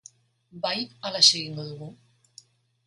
Bai, halaxe egingo dugu.